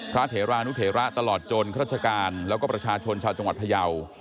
เถรานุเถระตลอดจนข้าราชการแล้วก็ประชาชนชาวจังหวัดพยาว